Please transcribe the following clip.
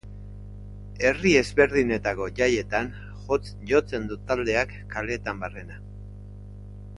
Herri ezberdinetako jaietan jotzen du taldeak kaleetan barrena.